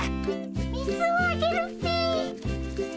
水をあげるっピ。